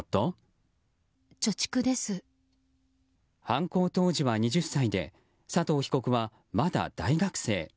犯行当時は２０歳で佐藤被告は、まだ大学生。